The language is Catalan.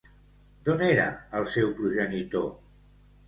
D'on era el seu progenitor?